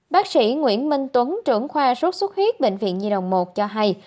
bác sĩ nguyễn minh tuấn trưởng khoa sốt xuất huyết bệnh viện nhi đồng một cho hay